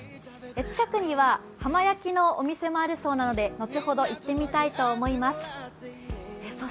近くには浜焼きのお店もあるそうですので、後ほど行ってみたいと思います。